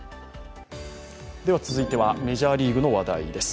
続いては、メジャーリーグの話題です。